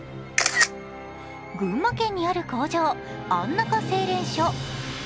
群馬県にある工場、安中製錬所。